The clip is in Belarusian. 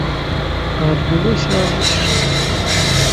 А адбылося вось што.